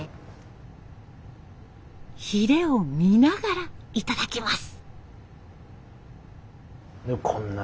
ヒレを見ながら頂きます。